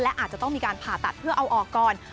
และอาจจะต้องมีการผ่าตัดเพื่อเอาออกก่อน